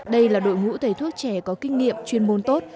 đây là đội ngũ thầy thuốc trẻ có kinh nghiệm chuyên môn tốt